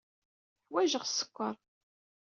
Ḥwajeɣ sskeṛ.